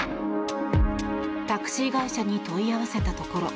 タクシー会社に問い合わせたところ